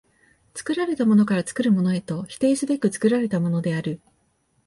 作られたものから作るものへと否定すべく作られたものである。